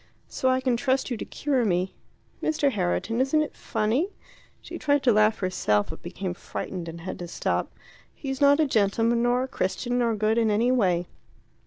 So I can trust you to cure me. Mr. Herriton, isn't it funny?" She tried to laugh herself, but became frightened and had to stop. "He's not a gentleman, nor a Christian, nor good in any way.